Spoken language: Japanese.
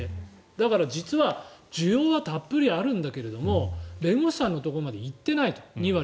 だから、実は需要はたっぷりあるんだけれども弁護士さんのところまで２割しか行っていないと。